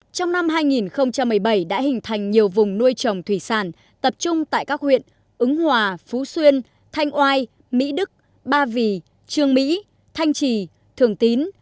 trong năm hai nghìn một mươi bảy đã hình thành nhiều vùng nuôi trồng thủy sản tập trung tại các huyện ứng hòa phú xuyên thanh oai mỹ đức ba vì trương mỹ thanh trì thường tín